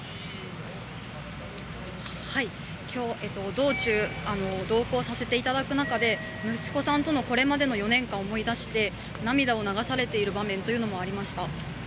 道中同行させていただく中で息子さんとのこれまでの４年間を思い出して涙を流されている場面というのもありました。